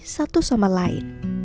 satu sama lain